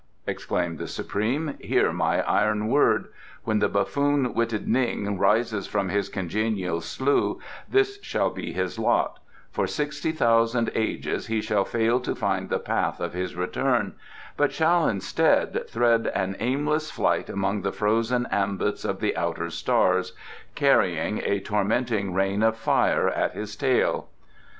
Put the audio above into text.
exclaimed the Supreme. "Hear my iron word. When the buffoon witted Ning rises from his congenial slough this shall be his lot: for sixty thousand ages he shall fail to find the path of his return, but shall, instead, thread an aimless flight among the frozen ambits of the outer stars, carrying a tormenting rain of fire at his tail.